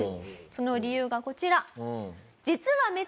その理由がこちら。